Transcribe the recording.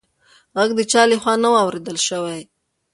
غږ د چا لخوا نه و اورېدل شوې.